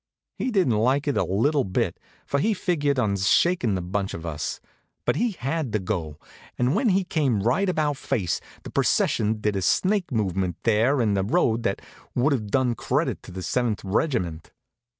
He didn't like it a little bit, for he'd figured on shakin' the bunch of us; but he had to go, and when he came right about face the procession did a snake movement there in the road that would have done credit to the Seventh Regiment.